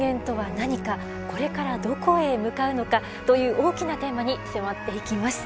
「これからどこへ向かうのか」という大きなテーマに迫っていきます。